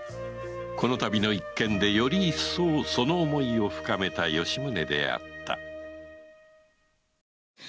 このたびの一件でより一層その思いを深めた吉宗であった